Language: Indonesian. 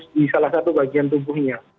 di salah satu bagian tubuhnya